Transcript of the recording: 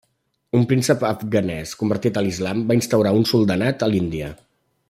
Un príncep afganès convertit a l'islam va instaurar un soldanat a l'Índia.